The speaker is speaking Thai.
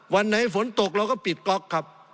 วันไหนฝนตกเราก็ปิดก๊อกครับ